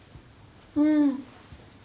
うん。